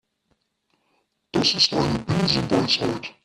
Das ist eine Binsenweisheit.